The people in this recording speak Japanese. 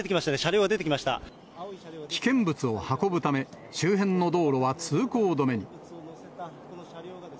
出てきましたね、危険物を運ぶため、周辺の道路は通行止めに。